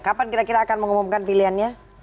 kapan kira kira akan mengumumkan pilihannya